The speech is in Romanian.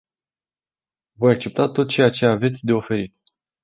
Voi accepta tot ceea ce aveți de oferit.